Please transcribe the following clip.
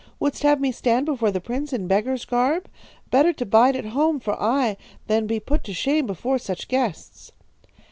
Wouldst have me stand before the prince in beggar's garb? Better to bide at home for aye than be put to shame before such guests.'